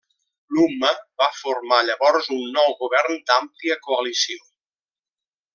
L'Umma va formar llavors un nou govern d'àmplia coalició.